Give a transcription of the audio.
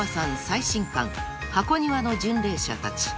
最新刊『箱庭の巡礼者たち』］